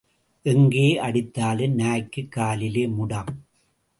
எங்கே அடித்தாலும், நாய்க்குக் காலிலே முடம்.